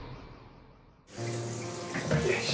よし。